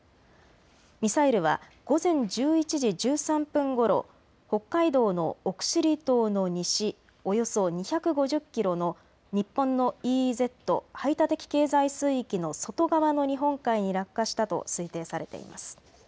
ミサイルは午前１１時１３分ごろ、北海道の奥尻島の西およそ２５０キロの日本のＥＥＺ・排他的経済水域の外側の日本海に落下したと推定されています。